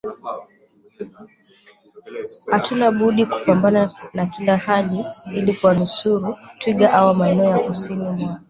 hatuna budi kupambana na kila hali ili kuwanusuru twiga hawa Maeneo ya kusini mwa